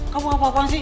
kau apa apaan sih